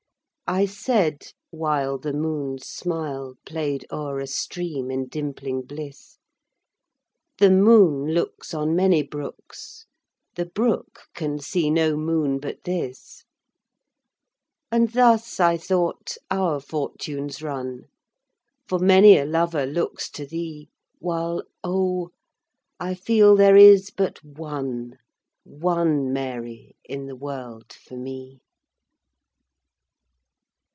I said (whileThe moon's smilePlay'd o'er a stream, in dimpling bliss),The moon looksOn many brooks, The brook can see no moon but this; And thus, I thought, our fortunes run, For many a lover looks to thee, While oh! I feel there is but one, One Mary in the world for me.